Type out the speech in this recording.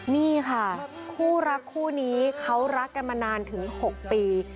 นี่ค่ะคู่รักคู่นี้เขารักกันมานานถึง๖ปี